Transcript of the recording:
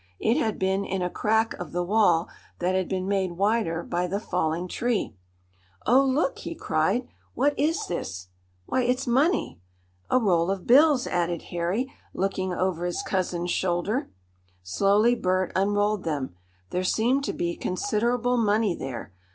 It had been in a crack of the wall that had been made wider by the falling tree. "Oh, look?" he cried. "What is this? Why, it's money!" "A roll of bills!" added Harry, looking over his cousin's shoulder. Slowly Bert unrolled them. There seemed to be considerable money there.